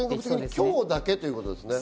今日だけということですね。